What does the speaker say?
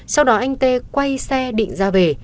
sau đó anh t quay xe định ra về